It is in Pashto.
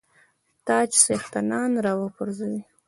تاج څښتنان را وپرزوي.